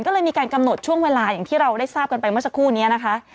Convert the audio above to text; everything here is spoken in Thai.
ก็เลยมีการกำหนดช่วงเวลาอย่างที่เราได้ทราบกันไปเมื่อสักครู่นี้นะคะ